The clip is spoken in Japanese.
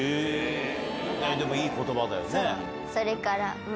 でもいい言葉だよね。